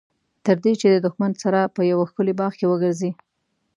تر دې چې د دښمن سره په یوه ښکلي باغ کې وګرځي.